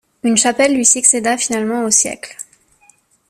Une chapelle lui succéda finalement au siècle.